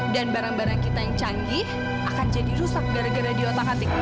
dan barang barang kita yang canggih akan jadi rusak gara gara di otak hati